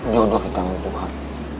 jodoh kita dengan tuhan